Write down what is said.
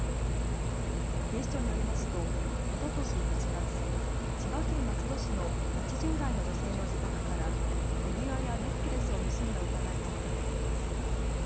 警視庁によりますとおととし８月、千葉県松戸市の８０代の女性の自宅から指輪やネックレスを盗んだ疑いが持たれています。